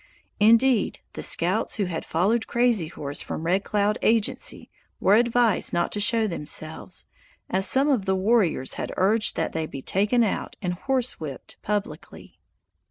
Indeed, the scouts who had followed Crazy Horse from Red Cloud agency were advised not to show themselves, as some of the warriors had urged that they be taken out and horsewhipped publicly.